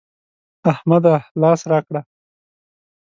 احمده! لاس راکړه.